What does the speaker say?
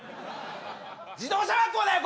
自動車学校だよ